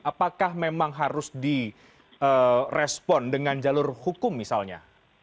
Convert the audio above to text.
apakah memang harus direspon dengan jalur hukum misalnya